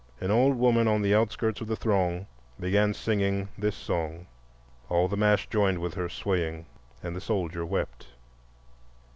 An old woman on the outskirts of the throng began singing this song; all the mass joined with her, swaying. And the soldier wept.